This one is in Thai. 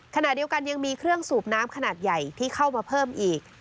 ขณะเดียวกันยังมีเครื่องสูบน้ำขนาดใหญ่ที่เข้ามาเพิ่มอีก